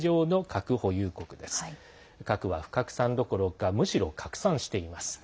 核は不拡散どころかむしろ拡散しています。